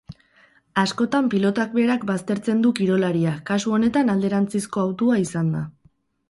Askotan pilotak berak baztertzen du kirolaria, kasu honetan alderantzizko hautua izan da.